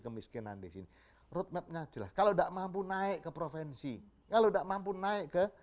kemiskinan di sini roadmapnya jelas kalau tidak mampu naik ke provinsi kalau tidak mampu naik ke